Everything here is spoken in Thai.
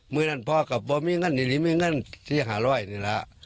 เมื่อนั้นพ่อกับไม่มีเงินหรือไม่มีเงินที่หาร่อยนี่ล่ะ